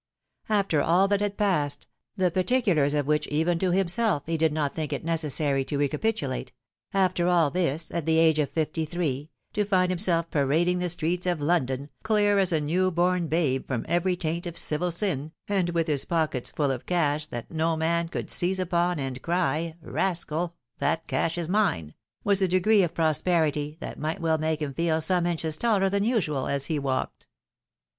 After aU that had passed, the particulars of which, even to himself, he did not think it necessary to recapitulate — after all this, at the age of fifty three, to find himself parading the streets of London, clear as a new born babe from every taint of civil sin, and with his pockets fuU of cash, that no man could seize upon, and cry, " Rascal ! that cash is mine !" was a degree of prosperity that might well make him feel some inches taller than usual as he walked.